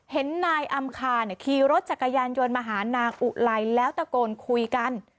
เห็นนายอำคาขี่รถจักรยานยนต์มาหานางอุไลแล้วตะโกนคุยกัน